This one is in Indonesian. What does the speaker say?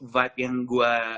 vibe yang gue